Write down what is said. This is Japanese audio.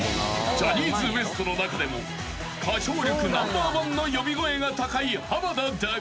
［ジャニーズＷＥＳＴの中でも歌唱力ナンバーワンの呼び声が高い濱田だが］